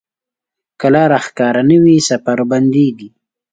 که لاره ښکاره نه وي، سفر بندېږي.